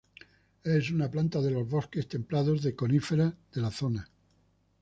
Es una planta de los bosques templados de coníferas de la zona.